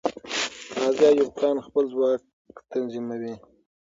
غازي ایوب خان خپل ځواک تنظیموي.